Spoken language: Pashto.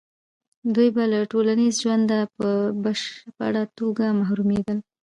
دوی به له ټولنیز ژونده په بشپړه توګه محرومېدل.